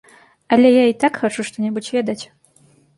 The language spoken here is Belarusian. Але я й так хачу што-небудзь ведаць.